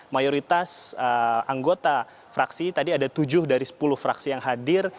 mayoritas anggota fraksi tadi ada tujuh dari sepuluh fraksi yang hadir